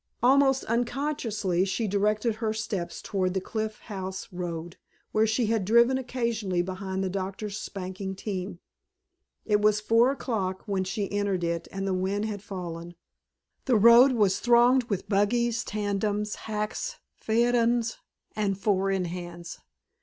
Almost unconsciously she directed her steps toward the Cliff House Road where she had driven occasionally behind the doctor's spanking team. It was four o'clock when she entered it and the wind had fallen. The road was thronged with buggies, tandems, hacks, phaetons, and four in hands.